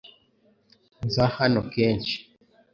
Nza hano kenshi .